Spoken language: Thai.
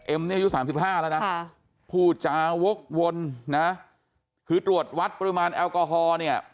เนี่ยอายุ๓๕แล้วนะพูดจาวกวนนะคือตรวจวัดปริมาณแอลกอฮอล์เนี่ย